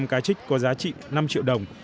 cá trích này có giá trị năm triệu đồng